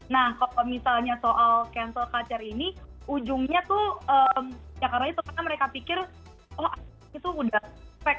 nah kalau misalnya soal cancel culture ini ujungnya tuh ya karena itu karena mereka pikir oh itu udah spek